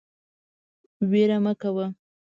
ویره مه کوئ